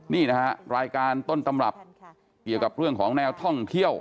นี่นะฮะรายการต้นตำรับเกี่ยวกับเรื่องของแนวท่องเที่ยว